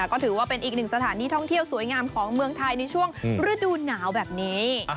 ก็ถือว่าเป็นอีกหนึ่งสถานที่ท่องเที่ยวสวยงามของเมืองไทยในช่วงฤดูหนาวแบบนี้